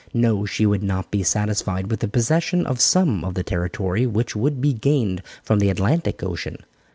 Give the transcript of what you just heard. No, she would not be satisfied with the possession of some of the territory which would be gained from the Atlantic Ocean.